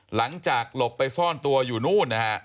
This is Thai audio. หลังจากหลบไปซ่อนตัวอยู่นู่นนะฮะ